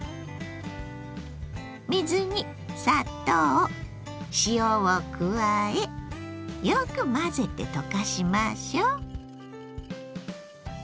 水に砂糖塩を加えよく混ぜて溶かしましょう。